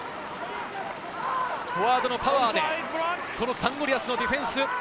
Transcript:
フォワードのパワーでサンゴリアスのディフェンス。